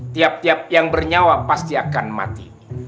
tiap tiap yang bernyawa pasti akan mati